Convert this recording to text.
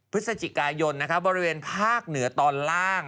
พฤศจิกายนบริเวณภาคเหนือตอนล่าง